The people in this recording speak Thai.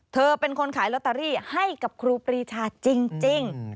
เธอเป็นคนขายลอตเตอรี่ให้กับครูปรีชาจริง